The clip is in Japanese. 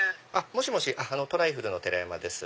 もしもしトライフルの寺山です